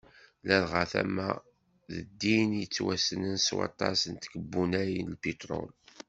Ladɣa tama-a d tin i yettwassnen s waṭas n tkebbunay n lpitrul.